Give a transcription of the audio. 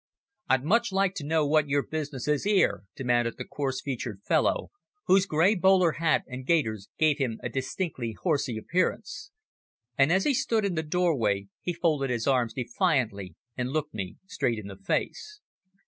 "I'd much like to know what your business is 'ere?" demanded the coarse featured fellow, whose grey bowler hat and gaiters gave him a distinctly horsey appearance. And as he stood in the doorway, he folded his arms defiantly and looked me straight in the face.